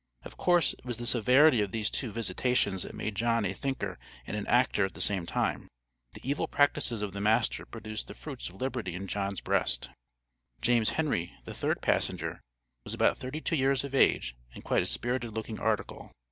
Of course it was the severity of these two visitations that made John a thinker and an actor at the same time. The evil practices of the master produced the fruits of liberty in John's breast. James Henry, the third passenger, was about thirty two years of age, and quite a spirited looking "article."